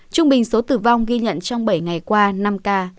trung bình số tử vong ghi nhận trong bảy ngày qua năm ca